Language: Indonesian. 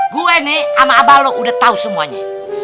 gue nih sama abah lu udah tahu semuanya